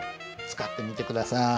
使ってみて下さい。